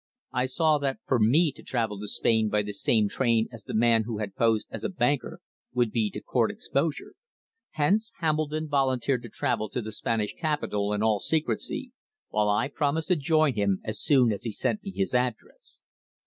I saw that for me to travel to Spain by the same train as the man who had posed as a banker would be to court exposure. Hence Hambledon volunteered to travel to the Spanish capital in all secrecy, while I promised to join him as soon as he sent me his address.